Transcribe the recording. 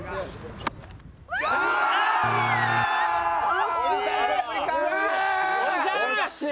惜しい！